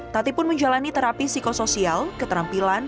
tati pun menjalani terapi psikosoial keterampilan